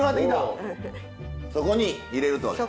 そこに入れると。